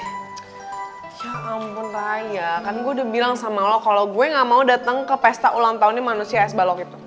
ya ampun raya kan gue udah bilang sama lo kalo gue gak mau dateng ke pesta ulang tahunnya manusia aisbalok itu